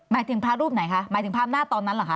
หมายถึงพระรูปไหนคะหมายถึงพระอำนาจตอนนั้นเหรอคะ